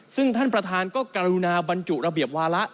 ซึ่งท่านประธานก็กรุณาบรรจุระเบียบวาระ